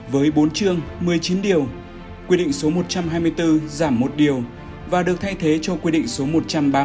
với bốn chương một mươi chín điều quy định số một trăm hai mươi bốn giảm một điều và được thay thế cho quy định số một trăm ba mươi